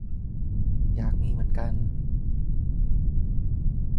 อยากมีเหมือนกัน